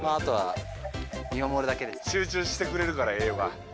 集中してくれるから栄養が。